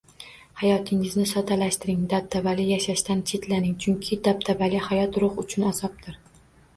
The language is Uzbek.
Hayotingizni soddalashtiring, dabdabali yashashdan chetlaning, chunki dabdabali hayot ruh uchun azobdir.